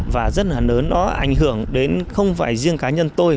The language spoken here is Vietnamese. và rất là lớn nó ảnh hưởng đến không phải riêng cá nhân tôi